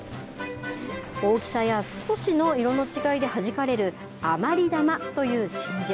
大きさや少しの色の違いではじかれるあまり玉という真珠。